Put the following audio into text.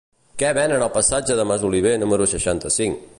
Què venen al passatge de Masoliver número seixanta-cinc?